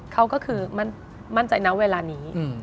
เขาก็คือมั่นใจนะเวลานี้